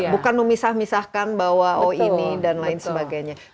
bukan memisah misahkan bahwa oh ini dan lain sebagainya